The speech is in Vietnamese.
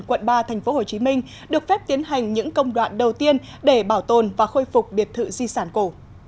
quận ba tp hcm được phép tiến hành những công đoạn đầu tiên để bảo tồn và khôi phục biệt thự di sản cổ